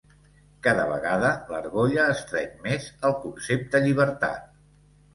Cada vegada l’argolla estreny més el concepte llibertat.